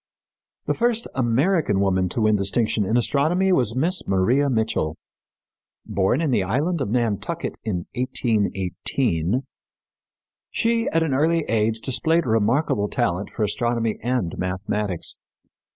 The first American woman to win distinction in astronomy was Miss Maria Mitchell. Born in the island of Nantucket in 1818, she, at an early age, displayed remarkable talent for astronomy and mathematics.